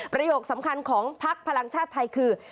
สำคัญของพักพลังชาติไทยคือ